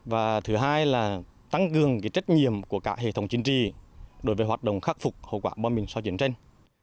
và thứ hai là tăng cường trách nhiệm của cả hệ thống chính trị đối với hoạt động khắc phục hậu quả bom mình sau chiến tranh